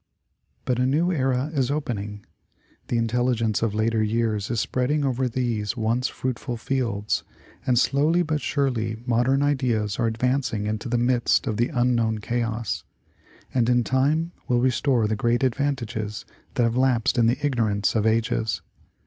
But a new era is opening, the intelligence of later years is spreading over these once fruitful fields, and slowly but surely modern ideas are advancing into the midst of the unknown chaos, and in time will restore the great advantages that have lapsed in the ignorance of ages.